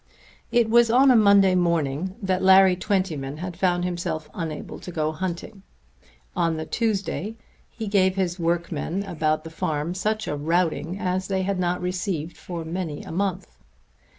It was on a Monday morning that Larry Twentyman had found himself unable to go hunting. On the Tuesday he gave his workmen about the farm such a routing as they had not received for many a month.